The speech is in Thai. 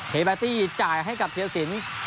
เฮบแอตตี้จ่ายให้กับเทียดศิลป์